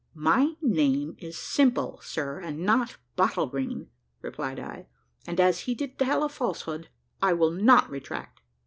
"My name is Simple, sir, and not Bottlegreen," replied I; "and as he did tell a falsehood, I will not retract?"